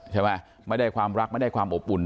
ไม่ได้ความรักไม่ได้ความอบอุ่น